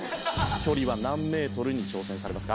距離は何メートルに挑戦されますか？